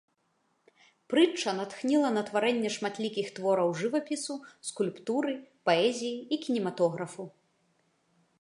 Прытча натхніла на тварэнне шматлікіх твораў жывапісу, скульптуры, паэзіі і кінематографу.